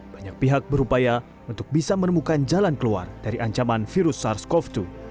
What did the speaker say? banyak pihak berupaya untuk bisa menemukan jalan keluar dari ancaman virus sars cov dua